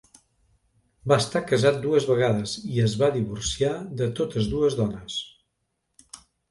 Va estar casat dues vegades i es va divorciar de totes dues dones.